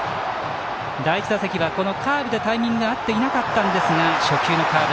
第１打席はカーブがタイミングが合っていなかったんですが初球のカーブ